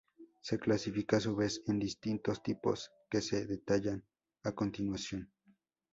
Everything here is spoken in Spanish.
Se clasifica a su vez en distintos tipos, que se detallan a continuación.